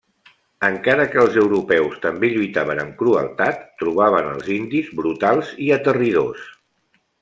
Encara que els europeus també lluitaven amb crueltat, trobaven als indis brutals i aterridors.